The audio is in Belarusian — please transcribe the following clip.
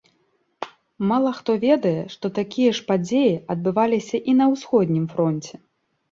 Мала хто ведае, што такія ж падзеі адбываліся і на ўсходнім фронце.